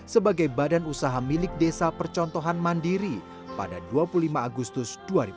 sebagai badan usaha milik desa percontohan mandiri pada dua puluh lima agustus dua ribu dua puluh